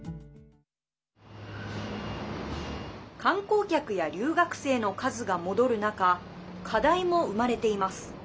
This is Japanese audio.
観光客や留学生の数が戻る中課題も生まれています。